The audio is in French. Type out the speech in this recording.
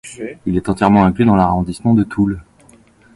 Il est entièrement inclus dans l'arrondissement de Toul.